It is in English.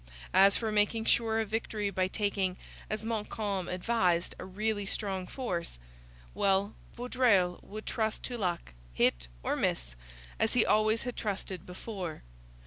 As for making sure of victory by taking, as Montcalm advised, a really strong force: well, Vaudreuil would trust to luck, hit or miss, as he always had trusted before.